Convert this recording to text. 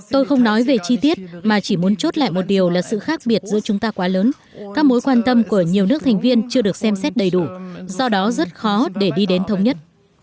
tôi không nói về chi tiết mà chỉ muốn chốt lại một điều là sự khác biệt giữa chúng ta quá lớn các mối quan tâm của nhiều nước thành viên chưa được xem xét đầy đủ do đó rất khó để đi đến thống nhất